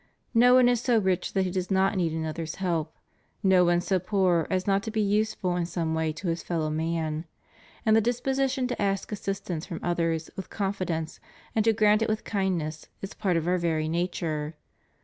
No one is so rich that he does not need another's help; no one so poor as not to be useful in some way to his fellow man; and the dis position to ask assistance from others with confidence, and to grant it with kindness is part of our very nature.